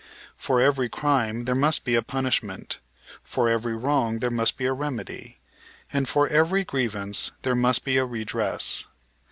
For every crime there must be a punishment; for every wrong there must be a remedy, and for every grievance there must be a redress.